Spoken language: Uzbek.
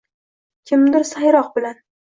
kimdir sayroq bilan